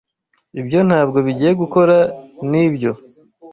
Ibyo ntabwo bigiye gukora, nibyo?